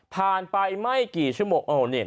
ผ่านไปไม่กี่ชั่วโมกโอ้เด็ด